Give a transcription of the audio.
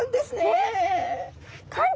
え